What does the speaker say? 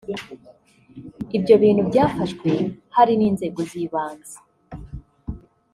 Ibyo bintu byafashwe hari n’inzego z’ibanze